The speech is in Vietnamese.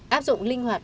áp dụng linh hoạt